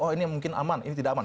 oh ini mungkin aman ini tidak aman